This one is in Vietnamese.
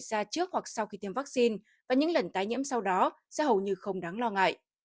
ra trước hoặc sau khi tiêm vaccine và những lần tái nhiễm sau đó sẽ hầu như không đáng lo ngại